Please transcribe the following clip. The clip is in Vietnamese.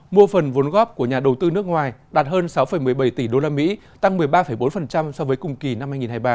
mua phần vốn góp của nhà đầu tư nước ngoài đạt hơn sáu một mươi bảy tỷ usd tăng một mươi ba bốn so với cùng kỳ năm hai nghìn hai mươi ba